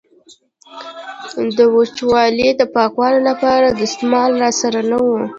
د وچولې د پاکولو لپاره دستمال را سره نه و.